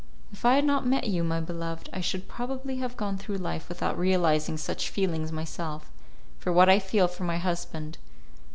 If I had not met you, my beloved, I should probably have gone through life without realizing such feelings myself; for what I feel for my husband....